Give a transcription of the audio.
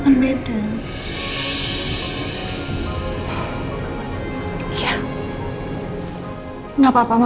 kamu merasaancia untuk pria kamu sih